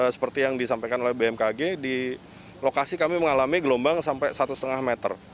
seperti yang disampaikan oleh bmkg di lokasi kami mengalami gelombang sampai satu lima meter